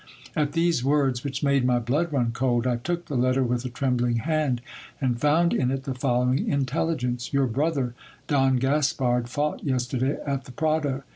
At these words, which made my blood run cold, I took the letter with a trembling hand, and found in it the following intelligence :" Your brother, Don Gaspard, fought yesterday at the Prado.